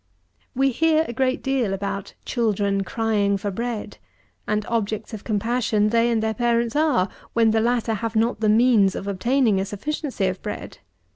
We hear a great deal about "children crying for bread," and objects of compassion they and their parents are, when the latter have not the means of obtaining a sufficiency of bread.